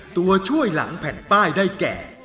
ตัวช่วยหลังแผ่นป้ายได้แก่